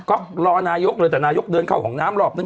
ก็รอนายกเลยแต่นายกเดินเข้าห้องน้ำรอบนึง